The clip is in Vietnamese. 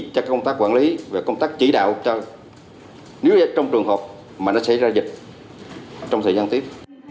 chắc công tác quản lý và công tác chỉ đạo nếu trong trường hợp mà nó xảy ra dịch trong thời gian tiếp